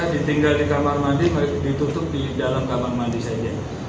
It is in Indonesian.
ditinggal di kamar mandi ditutup di dalam kamar mandi saja